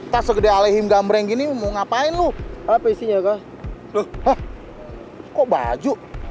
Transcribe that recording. tak segede alih gendeng gini mau ngapain lu apa isinya kah tuh kok baju